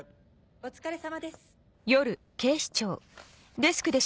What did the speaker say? お疲れさまです。